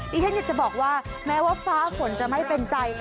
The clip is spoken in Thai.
ที่ฉันอยากจะบอกว่าแม้ว่าฟ้าฝนจะไม่เป็นใจ